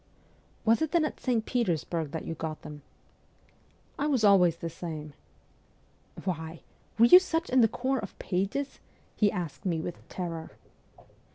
' Was it then at St. Petersburg that you got them ?'' I was always the same.' ' Why ! Were you such in the corps of pages ?' he asked me with terror.